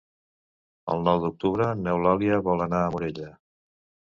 El nou d'octubre n'Eulàlia vol anar a Morella.